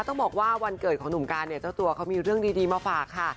ต้องบอกว่าวันเกิดของหนุ่มการเนี่ยเจ้าตัวเขามีเรื่องดีมาฝากค่ะ